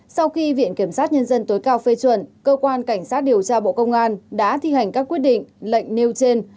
sau khi viện kiểm sát nhân dân tối cao phê chuẩn cơ quan cảnh sát điều tra bộ công an đã thi hành các quyết định lệnh nêu trên